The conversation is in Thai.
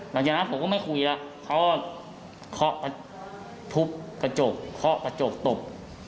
หลังจากนั้นผมก็ไม่คุยแล้วเขาก็เคาะทุบกระจกเคาะกระจกตบ